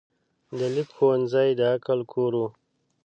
د لیک ښوونځی د عقل کور و.